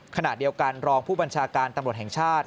ขณะเดียวกันรองผู้บัญชาการตำรวจแห่งชาติ